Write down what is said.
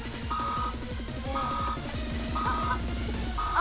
あ！